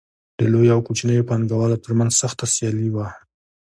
د لویو او کوچنیو پانګوالو ترمنځ سخته سیالي وه